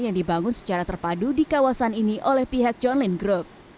yang dibangun secara terpadu di kawasan ini oleh pihak john lin group